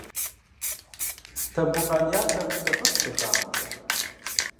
Тамбукъан ятӏэр сэбэпщ дахагъэмкӏэ.